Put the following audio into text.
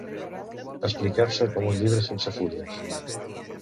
Explicar-se com un llibre sense fulles.